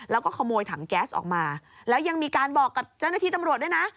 แล้วก็ขโมยถังแก๊สออกมาแล้วยังมีการบอกกับเจ้าหน้าที่ตำรวจด้วยนะ